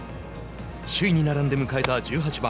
首位に並んで迎えた１８番。